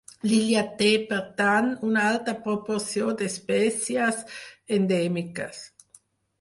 L'illa té, per tant, una alta proporció d'espècies endèmiques.